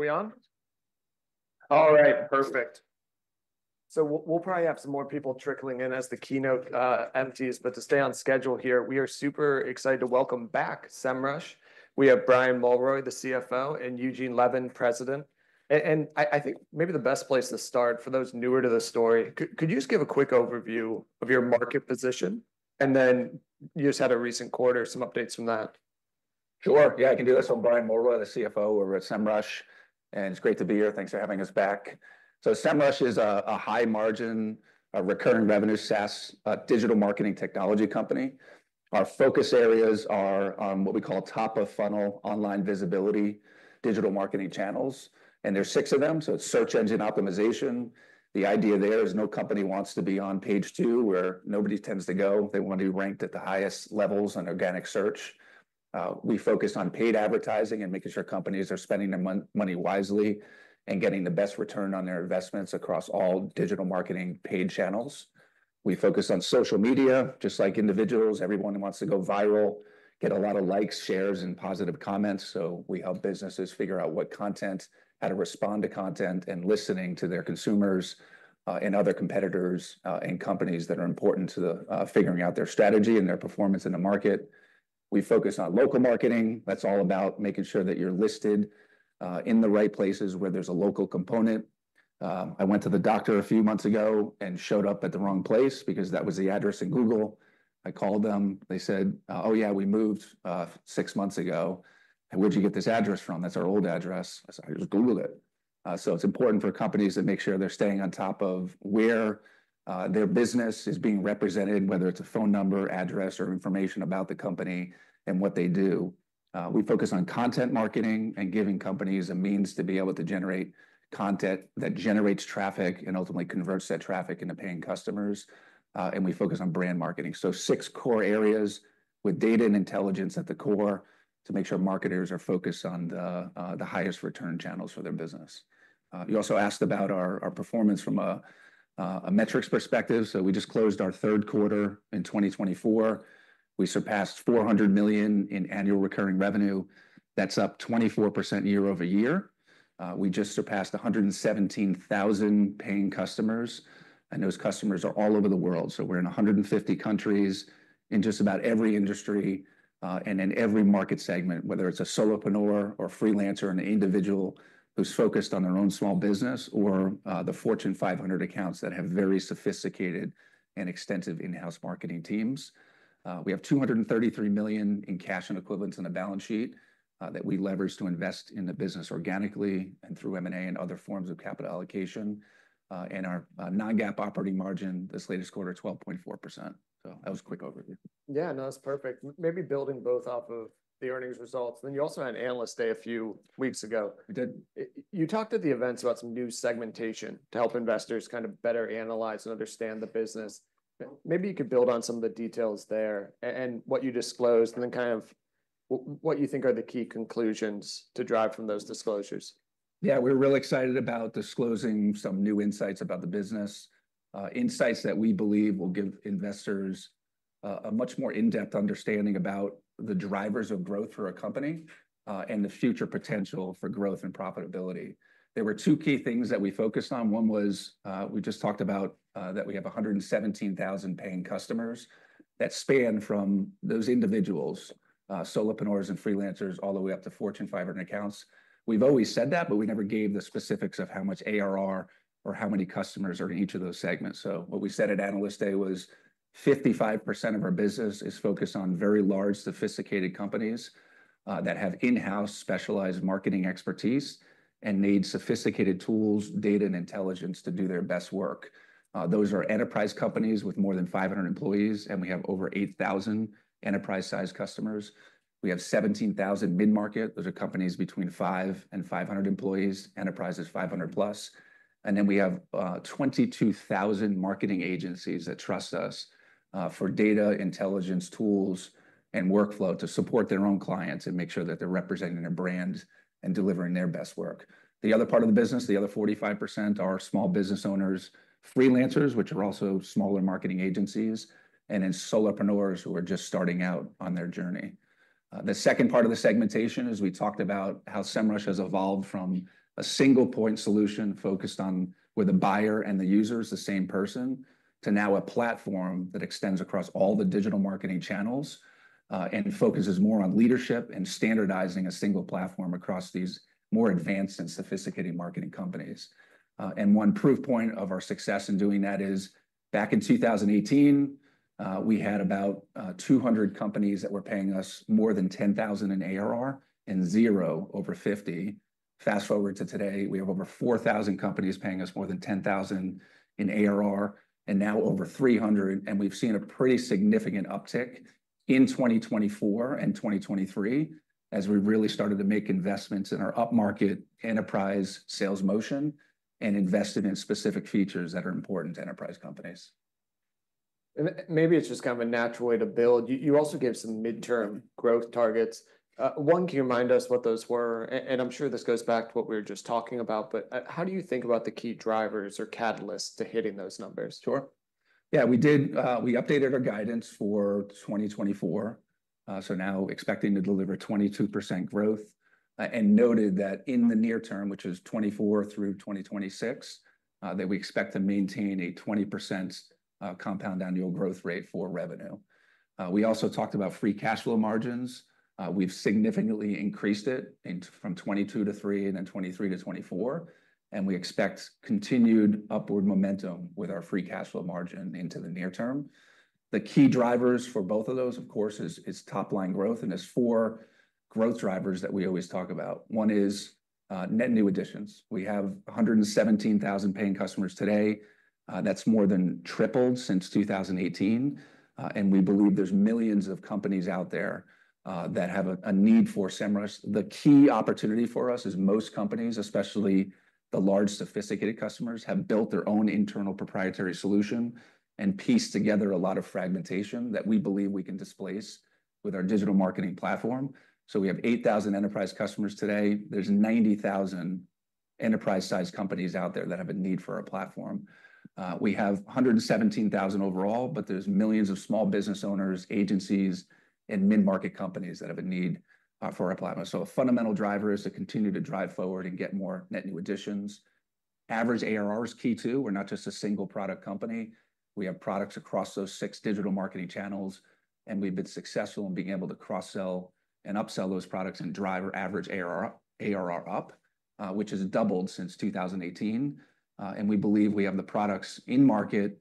Are we on? All right. Perfect. So we'll probably have some more people trickling in as the keynote empties, but to stay on schedule here, we are super excited to welcome back Semrush. We have Brian Mulroy, the CFO, and Eugene Levin, President. And I think maybe the best place to start for those newer to the story, could you just give a quick overview of your market position? And then you just had a recent quarter, some updates from that. Sure. Yeah, I can do this. I'm Brian Mulroy, the CFO over at Semrush, and it's great to be here. Thanks for having us back. So Semrush is a high-margin recurring revenue SaaS digital marketing technology company. Our focus areas are what we call top-of-funnel online visibility digital marketing channels, and there's six of them. So it's search engine optimization. The idea there is no company wants to be on page two where nobody tends to go. They want to be ranked at the highest levels on organic search. We focus on paid advertising and making sure companies are spending their money wisely and getting the best return on their investments across all digital marketing paid channels. We focus on social media, just like individuals. Everyone wants to go viral, get a lot of likes, shares, and positive comments. We help businesses figure out what content, how to respond to content, and listening to their consumers and other competitors and companies that are important to figuring out their strategy and their performance in the market. We focus on local marketing. That's all about making sure that you're listed in the right places where there's a local component. I went to the doctor a few months ago and showed up at the wrong place because that was the address in Google. I called them. They said, oh, yeah, we moved six months ago. Where'd you get this address from? That's our old address. I said, I just googled it. It's important for companies to make sure they're staying on top of where their business is being represented, whether it's a phone number, address, or information about the company and what they do. We focus on content marketing and giving companies a means to be able to generate content that generates traffic and ultimately converts that traffic into paying customers. And we focus on brand marketing. So six core areas with data and intelligence at the core to make sure marketers are focused on the highest return channels for their business. You also asked about our performance from a metrics perspective. So we just closed our third quarter in 2024. We surpassed $400 million in annual recurring revenue. That's up 24% year-over-year. We just surpassed 117,000 paying customers. And those customers are all over the world. So we're in 150 countries in just about every industry and in every market segment, whether it's a solopreneur or freelancer and an individual who's focused on their own small business or the Fortune 500 accounts that have very sophisticated and extensive in-house marketing teams. We have $233 million in cash and equivalents in the balance sheet that we leverage to invest in the business organically and through M&A and other forms of capital allocation, and our non-GAAP operating margin this latest quarter is 12.4%, so that was a quick overview. Yeah, no, that's perfect. Maybe building both off of the earnings results. Then you also had an Analyst Day a few weeks ago. We did. You talked at the events about some new segmentation to help investors kind of better analyze and understand the business. Maybe you could build on some of the details there and what you disclosed and then kind of what you think are the key conclusions to drive from those disclosures. Yeah, we're really excited about disclosing some new insights about the business, insights that we believe will give investors a much more in-depth understanding about the drivers of growth for a company and the future potential for growth and profitability. There were two key things that we focused on. One was we just talked about that we have 117,000 paying customers that span from those individuals, solopreneurs and freelancers, all the way up to Fortune 500 accounts. We've always said that, but we never gave the specifics of how much ARR or how many customers are in each of those segments. So what we said at Analyst Day was 55% of our business is focused on very large, sophisticated companies that have in-house specialized marketing expertise and need sophisticated tools, data, and intelligence to do their best work. Those are enterprise companies with more than 500 employees, and we have over 8,000 enterprise-sized customers. We have 17,000 mid-market. Those are companies between 5-500 employees. Enterprise is 500+. And then we have 22,000 marketing agencies that trust us for data, intelligence, tools, and workflow to support their own clients and make sure that they're representing their brand and delivering their best work. The other part of the business, the other 45%, are small business owners, freelancers, which are also smaller marketing agencies, and then solopreneurs who are just starting out on their journey. The second part of the segmentation is we talked about how Semrush has evolved from a single-point solution focused on where the buyer and the user is the same person to now a platform that extends across all the digital marketing channels and focuses more on leadership and standardizing a single platform across these more advanced and sophisticated marketing companies. And one proof point of our success in doing that is back in 2018, we had about 200 companies that were paying us more than $10,000 in ARR and zero over 50. Fast forward to today, we have over 4,000 companies paying us more than $10,000 in ARR and now over 300. And we've seen a pretty significant uptick in 2024 and 2023 as we really started to make investments in our up-market enterprise sales motion and invested in specific features that are important to enterprise companies. Maybe it's just kind of a natural way to build. You also gave some midterm growth targets. One, can you remind us what those were? And I'm sure this goes back to what we were just talking about, but how do you think about the key drivers or catalysts to hitting those numbers? Sure. Yeah, we did. We updated our guidance for 2024, so now expecting to deliver 22% growth and noted that in the near term, which is 2024 through 2026, that we expect to maintain a 20% compound annual growth rate for revenue. We also talked about free cash flow margins. We've significantly increased it from 2022-2023 and then 2023-2024, and we expect continued upward momentum with our free cash flow margin into the near term. The key drivers for both of those, of course, is top-line growth, and there's four growth drivers that we always talk about. One is net new additions. We have 117,000 paying customers today. That's more than tripled since 2018, and we believe there's millions of companies out there that have a need for Semrush. The key opportunity for us is most companies, especially the large sophisticated customers, have built their own internal proprietary solution and pieced together a lot of fragmentation that we believe we can displace with our digital marketing platform. So we have 8,000 enterprise customers today. There's 90,000 enterprise-sized companies out there that have a need for our platform. We have 117,000 overall, but there's millions of small business owners, agencies, and mid-market companies that have a need for our platform. So a fundamental driver is to continue to drive forward and get more net new additions. Average ARR is key too. We're not just a single product company. We have products across those six digital marketing channels, and we've been successful in being able to cross-sell and upsell those products and drive our average ARR up, which has doubled since 2018. And we believe we have the products in market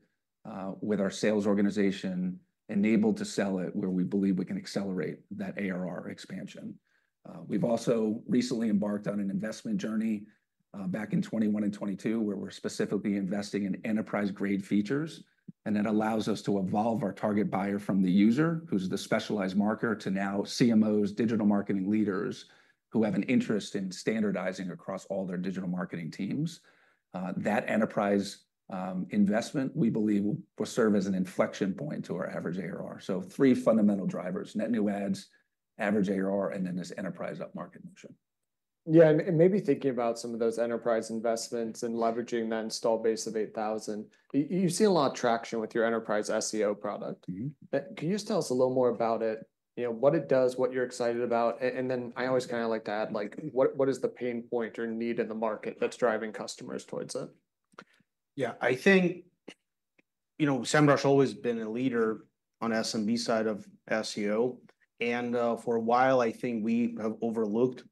with our sales organization enabled to sell it where we believe we can accelerate that ARR expansion. We've also recently embarked on an investment journey back in 2021 and 2022 where we're specifically investing in enterprise-grade features, and that allows us to evolve our target buyer from the user, who's the specialized marketer, to now CMOs, digital marketing leaders who have an interest in standardizing across all their digital marketing teams. That enterprise investment, we believe, will serve as an inflection point to our average ARR, so three fundamental drivers: net new adds, average ARR, and then this enterprise up-market motion. Yeah, and maybe thinking about some of those enterprise investments and leveraging that install base of 8,000. You've seen a lot of traction with your enterprise SEO product. Can you just tell us a little more about it? What it does, what you're excited about? And then I always kind of like to add, what is the pain point or need in the market that's driving customers towards it? Yeah, I think Semrush has always been a leader on SMB side of SEO, and for a while, I think we have overlooked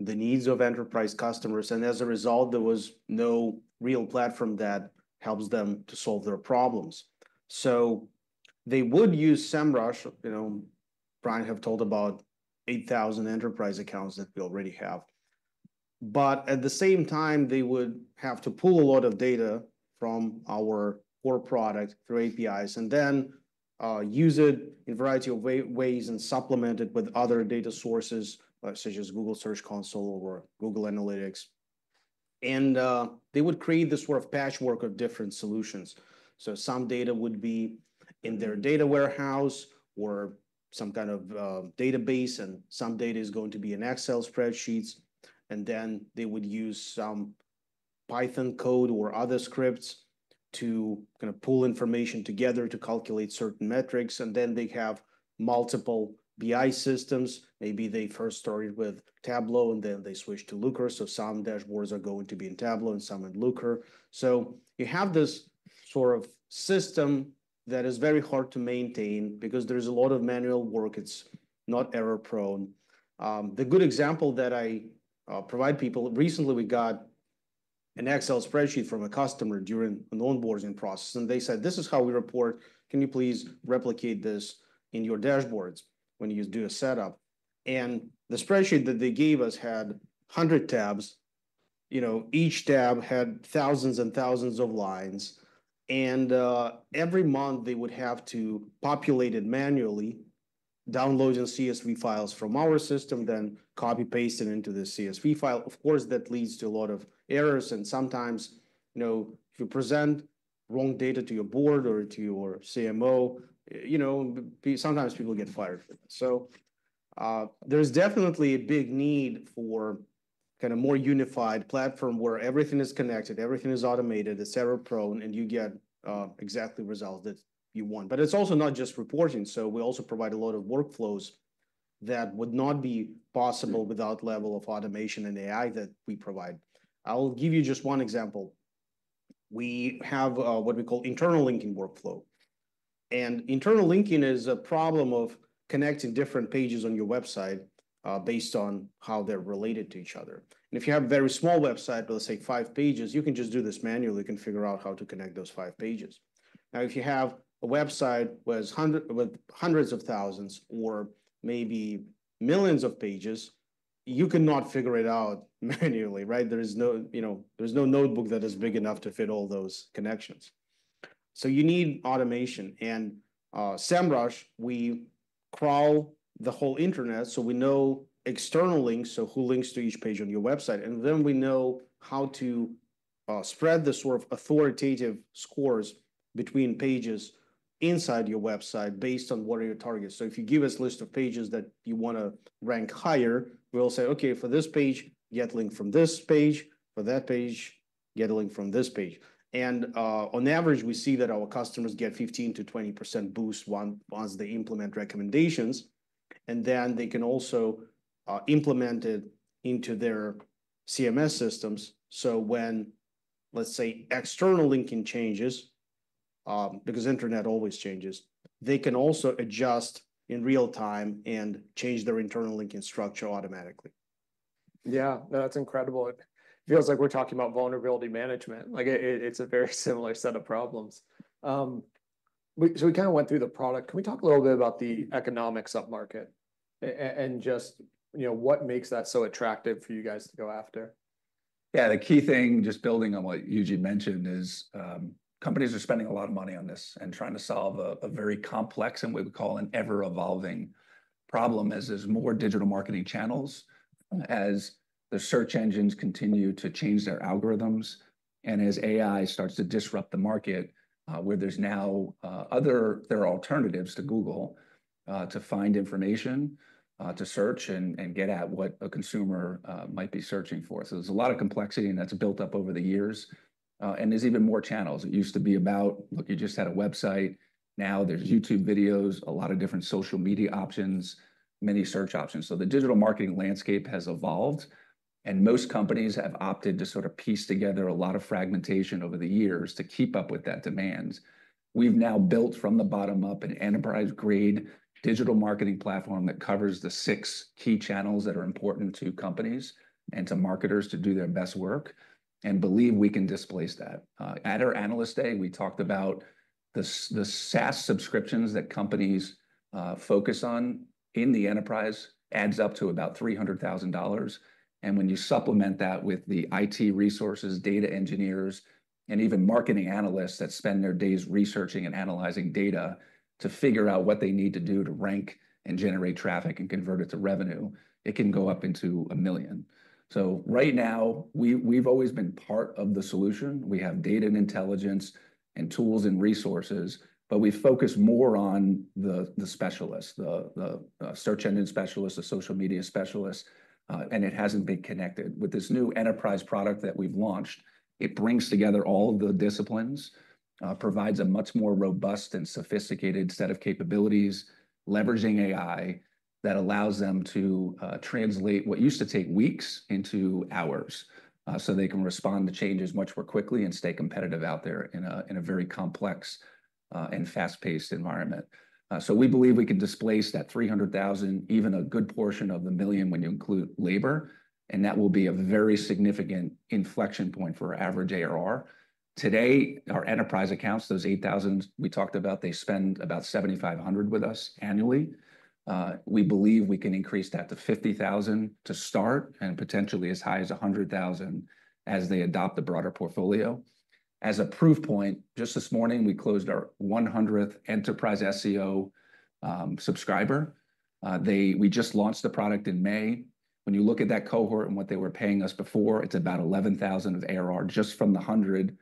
the needs of enterprise customers, and as a result, there was no real platform that helps them to solve their problems, so they would use Semrush. Brian has told about 8,000 enterprise accounts that we already have, but at the same time, they would have to pull a lot of data from our core product through APIs and then use it in a variety of ways and supplement it with other data sources such as Google Search Console or Google Analytics, and they would create this sort of patchwork of different solutions, so some data would be in their data warehouse or some kind of database, and some data is going to be in Excel spreadsheets. Then they would use some Python code or other scripts to kind of pull information together to calculate certain metrics. They have multiple BI systems. Maybe they first started with Tableau, and then they switched to Looker. Some dashboards are going to be in Tableau and some in Looker. You have this sort of system that is very hard to maintain because there's a lot of manual work. It is error-prone. A good example that I provide people, recently we got an Excel spreadsheet from a customer during an onboarding process. They said, this is how we report. Can you please replicate this in your dashboards when you do a setup? The spreadsheet that they gave us had 100 tabs. Each tab had thousands and thousands of lines. Every month, they would have to populate it manually, downloading CSV files from our system, then copy-paste it into the CSV file. Of course, that leads to a lot of errors. Sometimes, if you present wrong data to your board or to your CMO, sometimes people get fired. There's definitely a big need for kind of a more unified platform where everything is connected, everything is automated, it's error-proof, and you get exactly the results that you want. It's also not just reporting. We also provide a lot of workflows that would not be possible without the level of automation and AI that we provide. I'll give you just one example. We have what we call internal linking workflow. Internal linking is a problem of connecting different pages on your website based on how they're related to each other. If you have a very small website, let's say five pages, you can just do this manually. You can figure out how to connect those five pages. Now, if you have a website with hundreds of thousands or maybe millions of pages, you cannot figure it out manually, right? There's no notebook that is big enough to fit all those connections. So you need automation. And Semrush, we crawl the whole internet so we know external links, so who links to each page on your website. And then we know how to spread the sort of authoritative scores between pages inside your website based on what are your targets. So if you give us a list of pages that you want to rank higher, we'll say, okay, for this page, get a link from this page. For that page, get a link from this page. And on average, we see that our customers get 15%-20% boost once they implement recommendations. And then they can also implement it into their CMS systems. So when, let's say, external linking changes, because the internet always changes, they can also adjust in real time and change their internal linking structure automatically. Yeah, that's incredible. It feels like we're talking about vulnerability management. It's a very similar set of problems. So we kind of went through the product. Can we talk a little bit about the economics of market and just what makes that so attractive for you guys to go after? Yeah, the key thing, just building on what Eugene mentioned, is companies are spending a lot of money on this and trying to solve a very complex, and we would call an ever-evolving problem, as there's more digital marketing channels, as the search engines continue to change their algorithms, and as AI starts to disrupt the market, where there's now other alternatives to Google to find information, to search and get at what a consumer might be searching for. So there's a lot of complexity, and that's built up over the years. And there's even more channels. It used to be about, look, you just had a website. Now there's YouTube videos, a lot of different social media options, many search options. So the digital marketing landscape has evolved. Most companies have opted to sort of piece together a lot of fragmentation over the years to keep up with that demand. We've now built from the bottom up an enterprise-grade digital marketing platform that covers the six key channels that are important to companies and to marketers to do their best work and believe we can displace that. At our Analyst Day, we talked about the SaaS subscriptions that companies focus on in the enterprise, adds up to about $300,000. When you supplement that with the IT resources, data engineers, and even marketing analysts that spend their days researching and analyzing data to figure out what they need to do to rank and generate traffic and convert it to revenue, it can go up into $1 million. Right now, we've always been part of the solution. We have data and intelligence and tools and resources, but we focus more on the specialists, the search engine specialists, the social media specialists, and it hasn't been connected. With this new enterprise product that we've launched, it brings together all of the disciplines, provides a much more robust and sophisticated set of capabilities, leveraging AI that allows them to translate what used to take weeks into hours so they can respond to changes much more quickly and stay competitive out there in a very complex and fast-paced environment, so we believe we can displace that $300,000, even a good portion of the million when you include labor, and that will be a very significant inflection point for our average ARR. Today, our enterprise accounts, those 8,000 we talked about, they spend about $7,500 with us annually. We believe we can increase that to 50,000 to start and potentially as high as 100,000 as they adopt the broader portfolio. As a proof point, just this morning, we closed our 100th enterprise SEO subscriber. We just launched the product in May. When you look at that cohort and what they were paying us before, it's about $11,000 of ARR just from the 100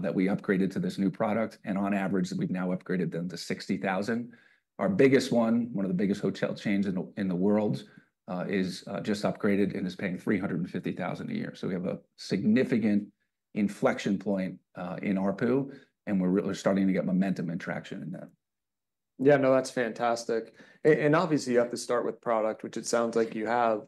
that we upgraded to this new product. And on average, we've now upgraded them to $60,000. Our biggest one, one of the biggest hotel chains in the world, is just upgraded and is paying $350,000 a year. So we have a significant inflection point in ARPU, and we're really starting to get momentum and traction in that. Yeah, no, that's fantastic. And obviously, you have to start with product, which it sounds like you have.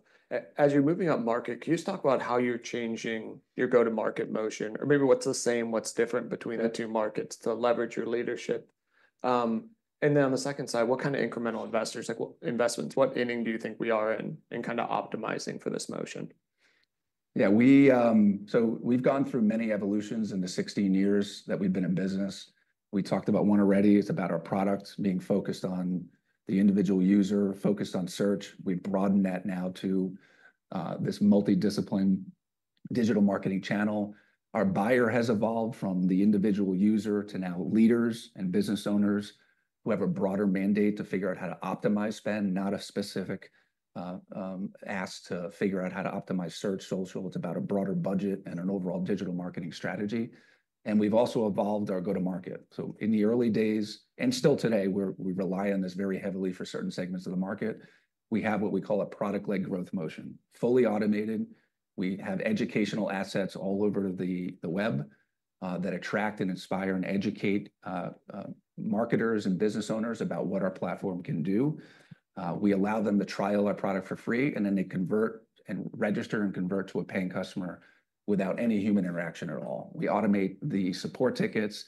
As you're moving up market, can you just talk about how you're changing your go-to-market motion or maybe what's the same, what's different between the two markets to leverage your leadership? And then on the second side, what kind of incremental investments, what inning do you think we are in kind of optimizing for this motion? Yeah, so we've gone through many evolutions in the 16 years that we've been in business. We talked about one already. It's about our products being focused on the individual user, focused on search. We've broadened that now to this multidisciplined digital marketing channel. Our buyer has evolved from the individual user to now leaders and business owners who have a broader mandate to figure out how to optimize spend, not a specific ask to figure out how to optimize search social. It's about a broader budget and an overall digital marketing strategy. And we've also evolved our go-to-market. So in the early days, and still today, we rely on this very heavily for certain segments of the market. We have what we call a product-led growth motion, fully automated. We have educational assets all over the web that attract and inspire and educate marketers and business owners about what our platform can do. We allow them to trial our product for free, and then they convert and register and convert to a paying customer without any human interaction at all. We automate the support tickets,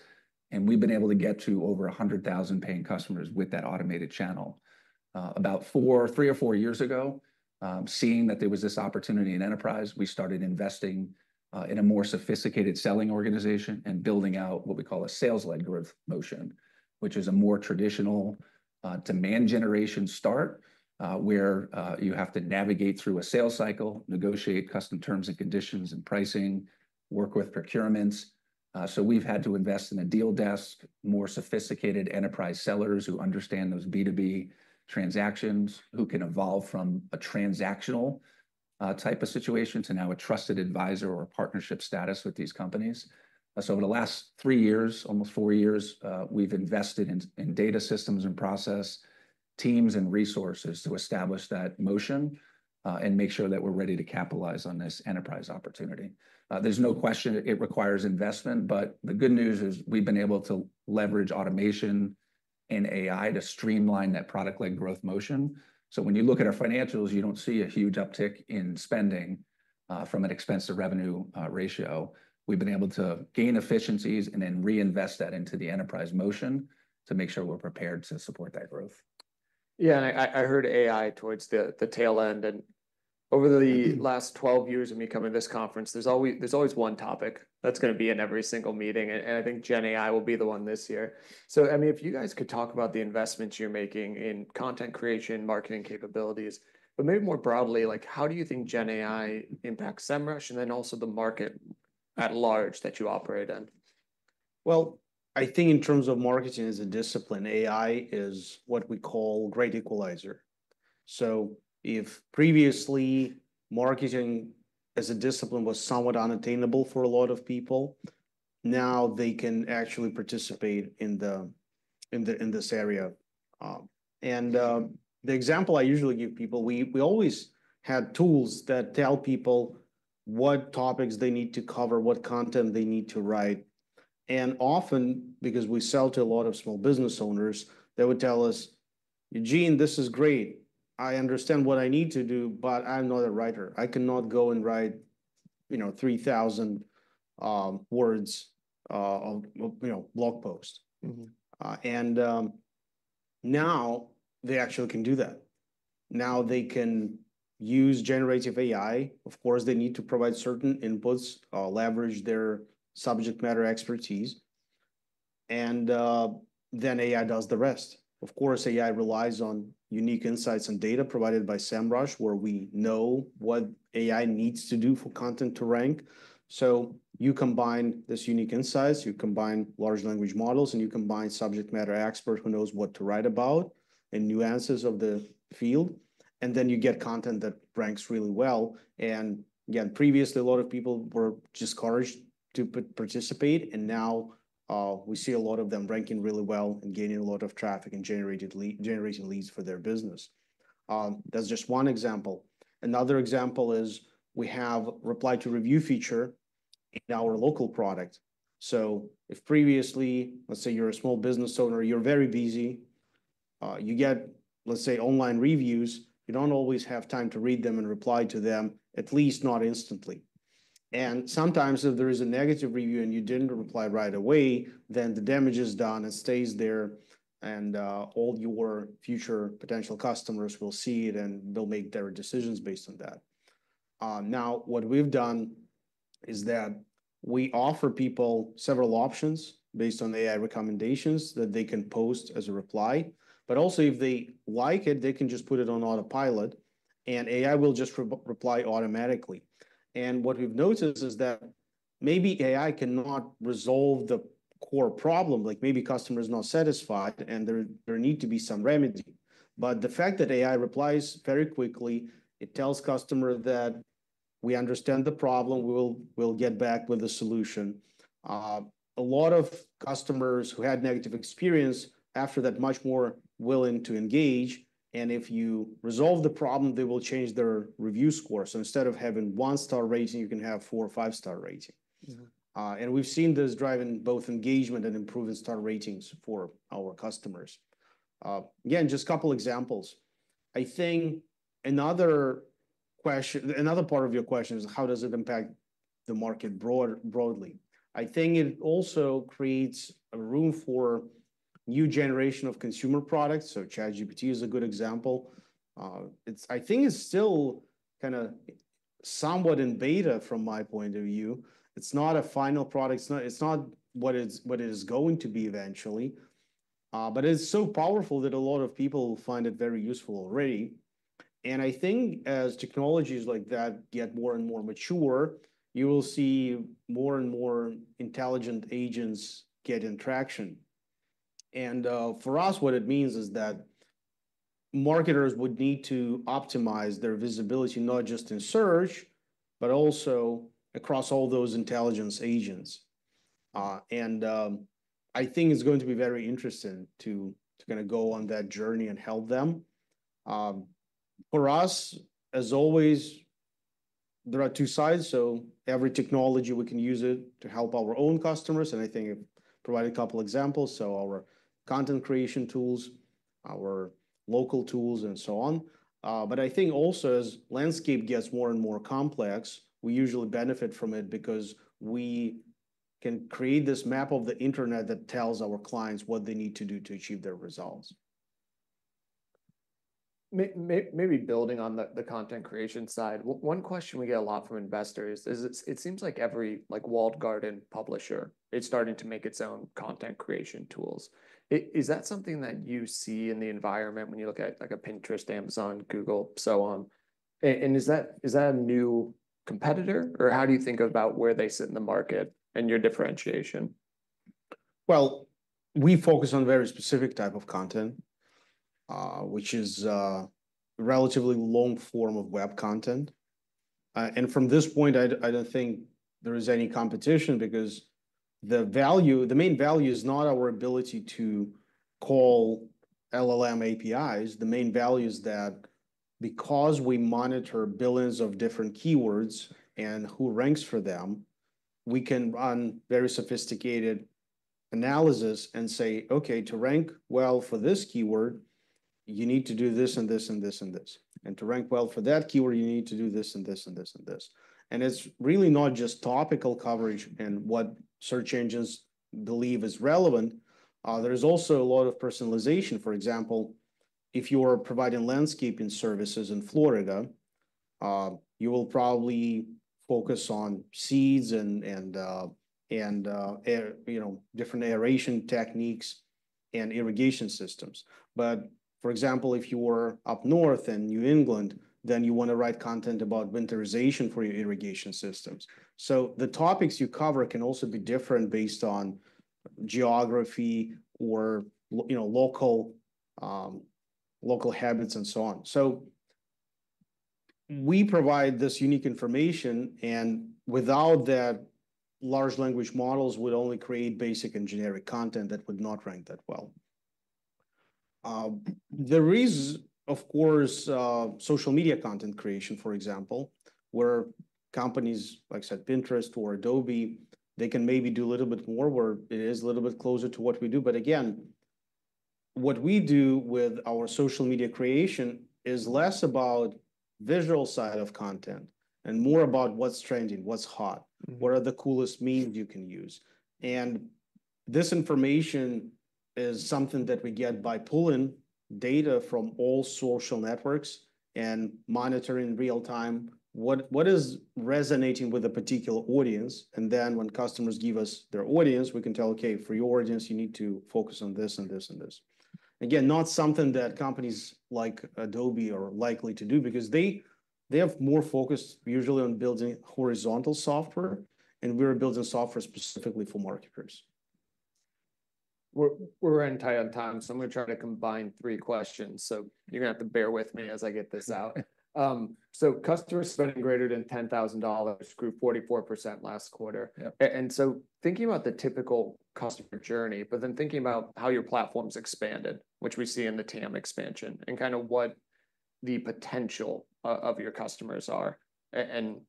and we've been able to get to over 100,000 paying customers with that automated channel. About three or four years ago, seeing that there was this opportunity in enterprise, we started investing in a more sophisticated selling organization and building out what we call a sales-led growth motion, which is a more traditional demand generation start where you have to navigate through a sales cycle, negotiate custom terms and conditions and pricing, work with procurements. We've had to invest in a deal desk, more sophisticated enterprise sellers who understand those B2B transactions, who can evolve from a transactional type of situation to now a trusted advisor or partnership status with these companies. Over the last three years, almost four years, we've invested in data systems and process teams and resources to establish that motion and make sure that we're ready to capitalize on this enterprise opportunity. There's no question it requires investment, but the good news is we've been able to leverage automation and AI to streamline that product-led growth motion. When you look at our financials, you don't see a huge uptick in spending from an expense revenue ratio. We've been able to gain efficiencies and then reinvest that into the enterprise motion to make sure we're prepared to support that growth. Yeah, and I heard AI towards the tail end. And over the last 12 years of me coming to this conference, there's always one topic that's going to be in every single meeting. And I think GenAI will be the one this year. So I mean, if you guys could talk about the investments you're making in content creation, marketing capabilities, but maybe more broadly, how do you think GenAI impacts Semrush and then also the market at large that you operate in? I think in terms of marketing as a discipline, AI is what we call a great equalizer. If previously marketing as a discipline was somewhat unattainable for a lot of people, now they can actually participate in this area. The example I usually give people, we always had tools that tell people what topics they need to cover, what content they need to write. Often, because we sell to a lot of small business owners, they would tell us, Eugene, this is great. I understand what I need to do, but I'm not a writer. I cannot go and write 3,000 words of blog post. Now they actually can do that. Now they can use generative AI. Of course, they need to provide certain inputs, leverage their subject matter expertise. AI does the rest. Of course, AI relies on unique insights and data provided by Semrush, where we know what AI needs to do for content to rank, so you combine this unique insights, you combine large language models, and you combine subject matter experts who knows what to write about and nuances of the field, and then you get content that ranks really well, and again, previously, a lot of people were discouraged to participate. And now we see a lot of them ranking really well and gaining a lot of traffic and generating leads for their business. That's just one example. Another example is we have a reply-to-review feature in our local product. So if previously, let's say you're a small business owner, you're very busy, you get, let's say, online reviews, you don't always have time to read them and reply to them, at least not instantly. Sometimes if there is a negative review and you didn't reply right away, then the damage is done and stays there. All your future potential customers will see it and they'll make their decisions based on that. Now, what we've done is that we offer people several options based on AI recommendations that they can post as a reply. Also, if they like it, they can just put it on autopilot and AI will just reply automatically. What we've noticed is that maybe AI cannot resolve the core problem, like maybe customer is not satisfied and there needs to be some remedy. The fact that AI replies very quickly. It tells customer that we understand the problem, we'll get back with a solution. A lot of customers who had negative experience after that, much more willing to engage. If you resolve the problem, they will change their review score. So instead of having one-star rating, you can have four- or five-star rating. And we've seen this driving both engagement and improving star ratings for our customers. Again, just a couple of examples. I think another part of your question is how does it impact the market broadly? I think it also creates room for a new generation of consumer products. So ChatGPT is a good example. I think it's still kind of somewhat in beta from my point of view. It's not a final product. It's not what it is going to be eventually. But it's so powerful that a lot of people find it very useful already. And I think as technologies like that get more and more mature, you will see more and more intelligent agents gain traction. And for us, what it means is that marketers would need to optimize their visibility not just in search, but also across all those intelligence agents. And I think it's going to be very interesting to kind of go on that journey and help them. For us, as always, there are two sides. So every technology, we can use it to help our own customers. And I think I've provided a couple of examples. So our content creation tools, our local tools, and so on. But I think also as landscape gets more and more complex, we usually benefit from it because we can create this map of the internet that tells our clients what they need to do to achieve their results. Maybe building on the content creation side, one question we get a lot from investors is it seems like every walled garden publisher is starting to make its own content creation tools. Is that something that you see in the environment when you look at like a Pinterest, Amazon, Google, so on? And is that a new competitor, or how do you think about where they sit in the market and your differentiation? Well, we focus on a very specific type of content, which is a relatively long form of web content. And from this point, I don't think there is any competition because the main value is not our ability to call LLM APIs. The main value is that because we monitor billions of different keywords and who ranks for them, we can run very sophisticated analysis and say, okay, to rank well for this keyword, you need to do this and this and this and this. And to rank well for that keyword, you need to do this and this and this and this. And it's really not just topical coverage and what search engines believe is relevant. There's also a lot of personalization. For example, if you are providing landscaping services in Florida, you will probably focus on seeds and different aeration techniques and irrigation systems. But for example, if you are up north in New England, then you want to write content about winterization for your irrigation systems, so the topics you cover can also be different based on geography or local habits and so on, so we provide this unique information, and without that, large language models would only create basic and generic content that would not rank that well. There is, of course, social media content creation, for example, where companies like Pinterest or Adobe, they can maybe do a little bit more where it is a little bit closer to what we do, but again, what we do with our social media creation is less about the visual side of content and more about what's trending, what's hot, what are the coolest memes you can use. And this information is something that we get by pulling data from all social networks and monitoring real-time what is resonating with a particular audience. And then when customers give us their audience, we can tell, okay, for your audience, you need to focus on this and this and this. Again, not something that companies like Adobe are likely to do because they have more focus usually on building horizontal software. And we're building software specifically for marketers. We're running tight on time, so I'm going to try to combine three questions. So you're going to have to bear with me as I get this out. So customers spending greater than $10,000 grew 44% last quarter. And so thinking about the typical customer journey, but then thinking about how your platform's expanded, which we see in the TAM expansion and kind of what the potential of your customers are. And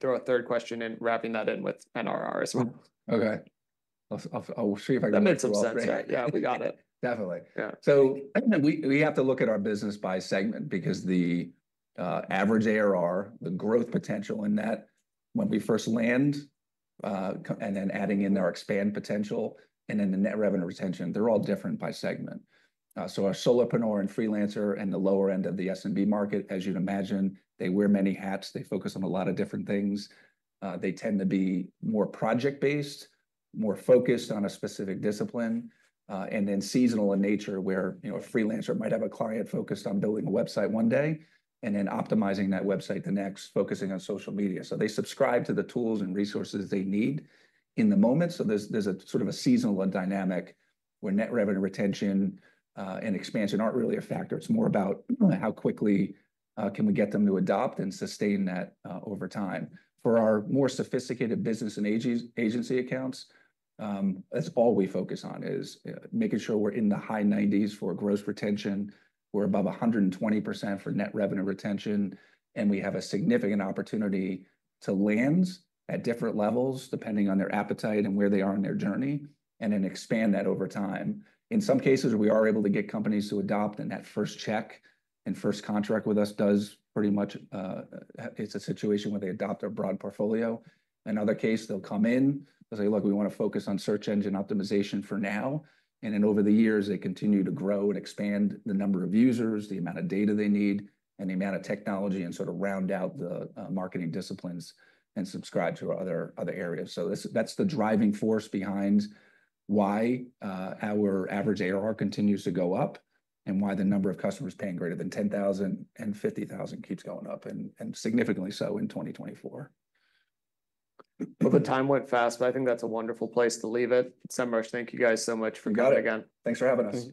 throw a third question in, wrapping that in with NRR as well. Okay. I'll show you if I got that. That makes some sense, right? Yeah, we got it. Definitely. So we have to look at our business by segment because the average ARR, the growth potential in that when we first land and then adding in our expand potential and then the net revenue retention, they're all different by segment. So a solopreneur and freelancer in the lower end of the SMB market, as you'd imagine, they wear many hats. They focus on a lot of different things. They tend to be more project-based, more focused on a specific discipline, and then seasonal in nature where a freelancer might have a client focused on building a website one day and then optimizing that website the next, focusing on social media. So they subscribe to the tools and resources they need in the moment. So there's a sort of a seasonal dynamic where net revenue retention and expansion aren't really a factor. It's more about how quickly can we get them to adopt and sustain that over time. For our more sophisticated business and agency accounts, that's all we focus on is making sure we're in the high 90s for gross retention. We're above 120% for net revenue retention. And we have a significant opportunity to land at different levels depending on their appetite and where they are in their journey and then expand that over time. In some cases, we are able to get companies to adopt. And that first check and first contract with us does pretty much, it's a situation where they adopt a broad portfolio. In other cases, they'll come in, they'll say, look, we want to focus on search engine optimization for now. And then over the years, they continue to grow and expand the number of users, the amount of data they need, and the amount of technology and sort of round out the marketing disciplines and subscribe to other areas. So that's the driving force behind why our average ARR continues to go up and why the number of customers paying greater than $10,000 and $50,000 keeps going up and significantly so in 2024. The time went fast, but I think that's a wonderful place to leave it. Semrush, thank you guys so much for coming again. Thanks for having us.